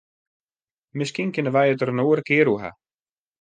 Miskien kinne wy it der in oare kear oer hawwe.